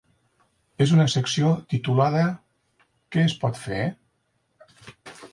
En una secció titulada "Què es pot fer?"